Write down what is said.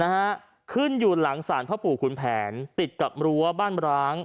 นะฮะขึ้นอยู่หลังศาลพ่อปู่ขุนแผนติดกับรั้วบ้านร้าง